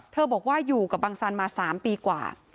บอกว่าอยู่กับบังสันมา๓ปีกว่า